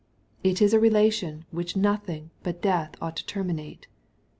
It is a relation which nothing but death ought to terminate.